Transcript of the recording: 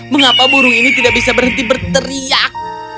mengapa burung ini tidak bisa berhenti berteriak